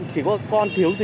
chỉ có con thiếu gì